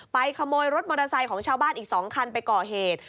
ขโมยรถมอเตอร์ไซค์ของชาวบ้านอีก๒คันไปก่อเหตุ